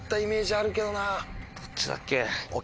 どっちだっけ？